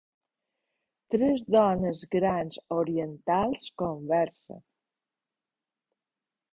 Tres dones grans orientals conversen.